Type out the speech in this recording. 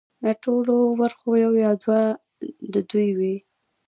که له ټولو برخو یو یا دوه د دوی وي